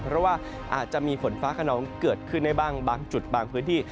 เพราะว่าอาจจะมีฝนฟ้าขนองเกิดขึ้นได้บ้างบางจุดบางพื้นที่